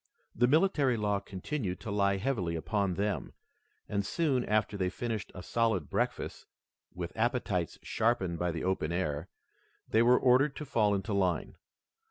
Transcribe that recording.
The military law continued to lie heavily upon them, and, soon after they finished a solid breakfast with appetites sharpened by the open air, they were ordered to fall into line.